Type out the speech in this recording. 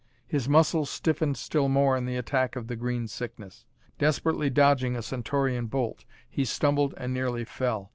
His muscles stiffened still more in the attack of the Green Sickness. Desperately dodging a Centaurian bolt, he stumbled and nearly fell.